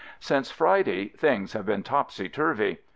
Since Friday, things have been topsy turvy.